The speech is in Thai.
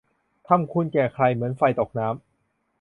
ทำคุณแก่ใคร เหมือนไฟตกน้ำ